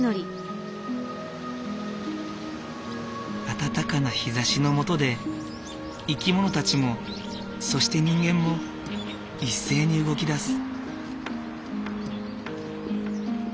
暖かな日ざしの下で生き物たちもそして人間も一斉に動き出す。